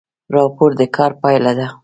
راپور د کار پایله ده